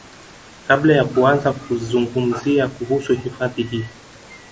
Kabla ya kuanza kuzungumzia kuhusu hifadhi hii